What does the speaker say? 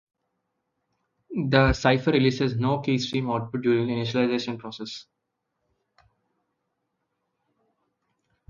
The cipher releases no keystream output during the initialization process.